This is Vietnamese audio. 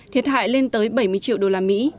thiệt hại lên tới bảy mươi triệu đô la mỹ